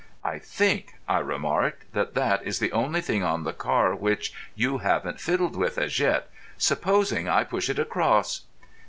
"I think," I remarked, "that that is the only thing on the car which you haven't fiddled with as yet. Supposing I push it across?"